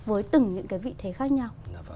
với từng những cái vị thế khác nhau